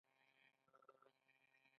ایا زه باید خپل کالي بیل پریمنځم؟